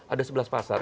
ada sebelas pasar